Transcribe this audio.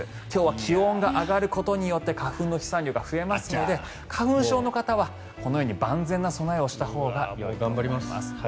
今日は気温が上がることによって花粉の飛散量が増えますので花粉症の方はこのように万全な備えをしたほうがいいと思います。